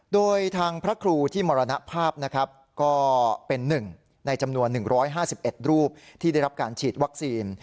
โดยทางพระครูที่มรณภาพนะครับก็เป็น๑ในจำนวน๑๕๑รูปที่ได้รับการฉีดวัคซีน